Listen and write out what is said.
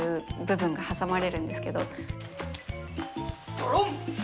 ドロン！